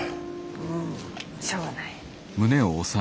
うんしょうがない。